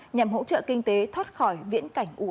nhằm hỗ trợ kinh tế thoát khỏi viễn cảnh ưu ám